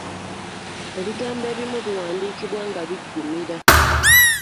Ebigambo ebimu biwandiikibwa nga biggumira.